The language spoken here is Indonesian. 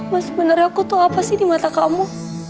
mas bener aku tuh apa sih di mata kamu